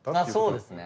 そうですね。